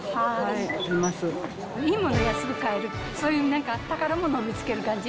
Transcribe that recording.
いいものが安く買える、そういう宝物を見つける感じ。